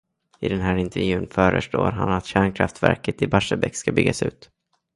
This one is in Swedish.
I den här intervjun föreslår han att kärnkraftverket i Barsebäck ska byggas ut.